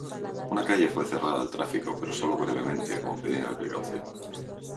Una calle fue cerrada al tráfico pero sólo brevemente, como medida de precaución.